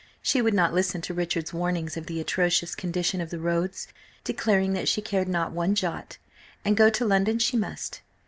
She would not listen to Richard's warnings of the atrocious condition of the roads, declaring that she cared not one jot, and go to London she must.